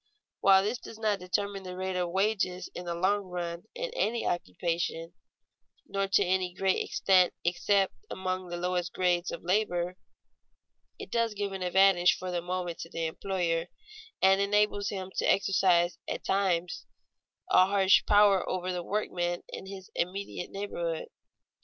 While this does not determine the rate of wages in the long run in any occupation nor to any great extent except among the lowest grades of labor, it does give an advantage for the moment to the employer, and enables him to exercise at times a harsh power over the workmen in his immediate neighborhood.